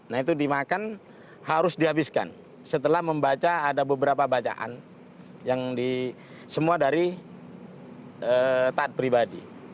nah itu dimakan harus dihabiskan setelah membaca ada beberapa bacaan yang di semua dari taat pribadi